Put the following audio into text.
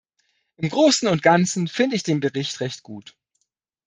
Im großen und ganzen finde ich den Bericht recht gut.